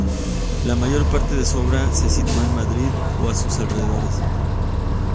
La mayor parte de su obra se sitúa en Madrid o sus alrededores.